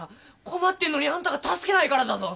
困ってるのにあんたが助けないからだぞ！